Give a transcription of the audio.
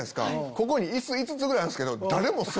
ここに椅子５つぐらいあるんすけど。